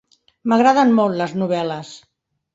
M'agraden molt, les novel·les.